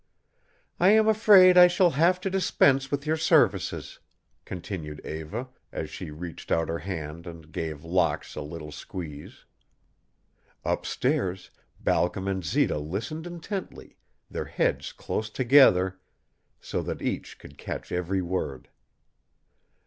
"I am afraid I shall have to dispense with your services," continued Eva, as she reached out her hand and gave Locke's a little squeeze. Up stairs, Balcom and Zita listened intently, their heads close together so that each could catch every word.